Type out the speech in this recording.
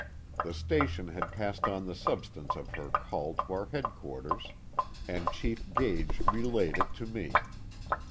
The station had passed on the substance of her call to our headquarters, and Chief Gage relayed it to me.